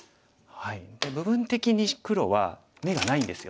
部分的に黒は眼がないんですよ。